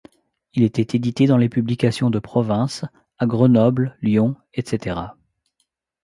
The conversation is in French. Il était édité dans des publications de province, à Grenoble, Lyon, etc.